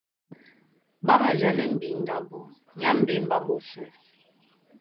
Ɓá majanɛ́ mbindo abú nyá mbémbé á ɓosó.